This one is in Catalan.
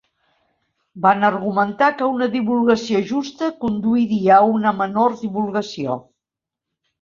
Van argumentar que una divulgació justa conduiria a una menor divulgació.